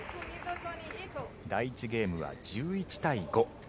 第１ゲームは１１対５。